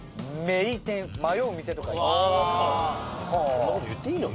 そんな事言っていいの？